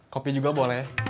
kopi juga boleh